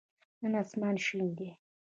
نن آسمان شین دی